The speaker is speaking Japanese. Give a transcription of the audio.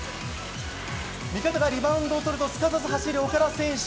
味方がリバウンドをとるとすかさず走る岡田選手。